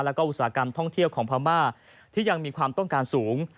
แล้วก็อุตสาหกรรมท่องเที่ยวของพม่าที่ยังมีความต้องการสูง